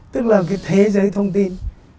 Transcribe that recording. tức là cái thế giới thông tin